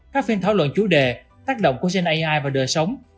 các phiên thảo luận chủ đề tác động của sân ai và đời sống